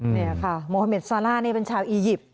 นี่ค่ะโมเมดซาล่านี่เป็นชาวอียิปต์